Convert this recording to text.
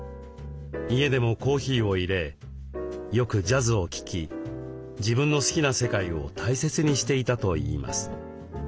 家でもコーヒーをいれよくジャズを聴き自分の好きな世界を大切にしていたといいます。